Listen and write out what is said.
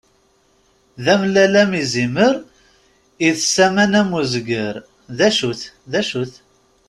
D amellal am izimer, ites aman am uzger. D acu-t, d acu-t?